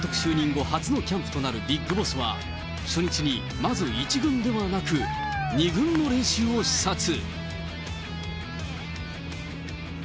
監督就任後、初のキャンプとなるビッグボスは、初日に、まず１軍ではなく、２軍の練習を視察。